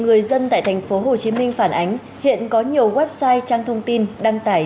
người dân tại tp hcm phản ánh hiện có nhiều website trang thông tin đăng tải